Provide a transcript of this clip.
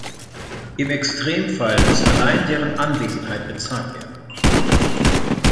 Im Extremfall muss allein deren Anwesenheit bezahlt werden.